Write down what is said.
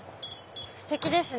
ステキですね。